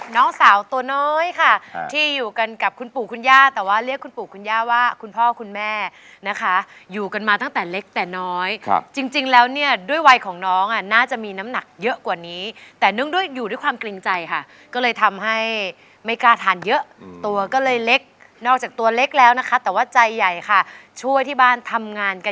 น้องสาวตัวน้อยค่ะที่อยู่กันกับคุณปู่คุณย่าแต่ว่าเรียกคุณปู่คุณย่าว่าคุณพ่อคุณแม่นะคะอยู่กันมาตั้งแต่เล็กแต่น้อยครับจริงแล้วเนี่ยด้วยวัยของน้องอ่ะน่าจะมีน้ำหนักเยอะกว่านี้แต่เนื่องด้วยอยู่ด้วยความเกรงใจค่ะก็เลยทำให้ไม่กล้าทานเยอะตัวก็เลยเล็กนอกจากตัวเล็กแล้วนะคะแต่ว่าใจใหญ่ค่ะช่วยที่บ้านทำงานก